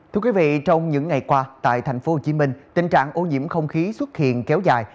thưa quý vị trong những ngày qua tại tp hcm tình trạng ô nhiễm không khí xuất hiện kéo dài